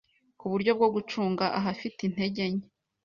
kuburyo bwo gucunga ahafite intege nke